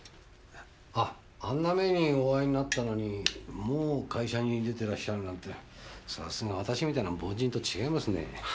あんな目にお遭いになったのにもう会社に出てらっしゃるなんてさすが私みたいな凡人と違いますね。